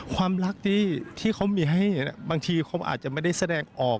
ความรักที่เขามีให้บางทีเขาอาจจะไม่ได้แสดงออก